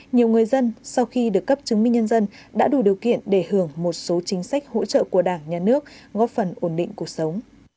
nhiều người dân sau khi được cấp chứng minh nhân dân đã đủ điều kiện để hưởng một số chính sách hỗ trợ của đảng nhà nước góp phần ổn định cuộc sống